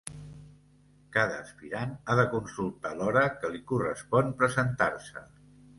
Cada aspirant ha de consultar l’hora que li correspon presentar-se.